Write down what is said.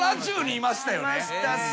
いましたし。